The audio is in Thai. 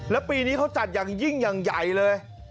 แล้วปีนี้เขาจัดอย่างยิ่งอย่างใหญ่เลย